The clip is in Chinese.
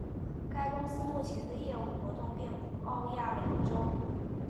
该公司目前的业务活动遍布欧亚两洲。